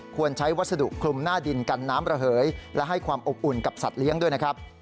ควรใช้วัสดุคลุมหน้าดินกันน้ำระเหยและให้ความอบอุ่นกับสัตว์เลี้ยงด้วยนะครับ